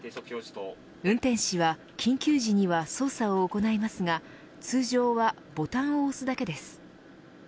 運転手は緊急時には操作を行いますが通常はボタンを押すだけです。